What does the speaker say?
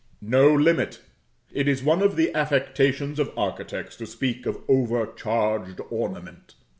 No limit: it is one of the affectations of architects to speak of overcharged ornament.